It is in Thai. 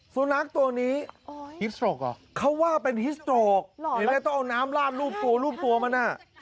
สุนัขตัวนี้เขาว่าเป็นฮิศโตรกต้องเอาน้ำล่ามรูปตัวมาน่ะ